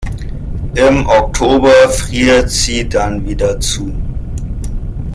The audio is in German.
Im Oktober friert sie dann wieder zu.